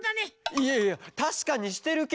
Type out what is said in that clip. いやいやたしかにしてるけど。